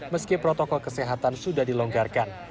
meski protokol kesehatan sudah dilonggarkan